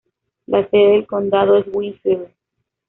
La sede de condado es Winfield.